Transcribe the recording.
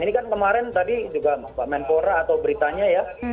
ini kan kemarin tadi juga pak menpora atau beritanya ya